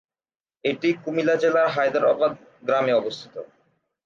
এটি কুমিল্লা জেলার হায়দরাবাদ গ্রামে অবস্থিত।